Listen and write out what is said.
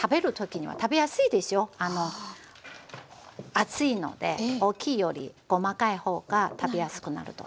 熱いので大きいより細かい方が食べやすくなると思います。